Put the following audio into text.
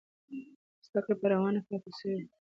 زده کړه به روانه پاتې سوې وي.